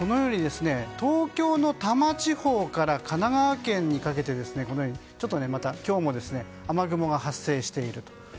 東京の多摩地方から神奈川県にかけてちょっとまた今日も雨雲が発生していると。